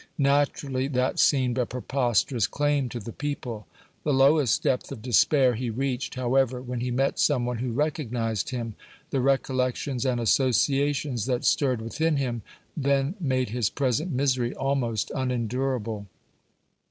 Naturally that seemed a preposterous claim to the people. (86) The lowest depth of despair he reached, however, when he met some one who recognized him. The recollections and associations that stirred within him then made his present misery almost unendurable.